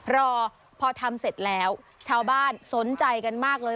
รอพอทำเสร็จแล้วชาวบ้านสนใจกันมากเลย